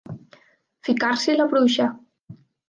Ficar-s'hi la bruixa.